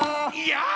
「やあ！」。